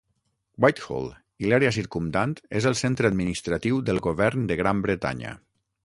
Whitehall i l'àrea circumdant és el centre administratiu del govern de Gran Bretanya.